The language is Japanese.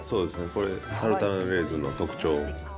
これ、サルタナレーズンの特徴。